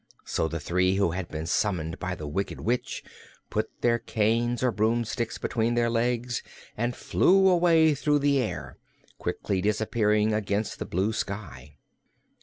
So the three who had been summoned by the Wicked Witch put their canes or broomsticks between their legs and flew away through the air, quickly disappearing against the blue sky.